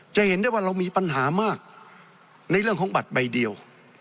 จะเห็นได้ว่าเรามีปัญหามากในเรื่องของบัตรใบเดียว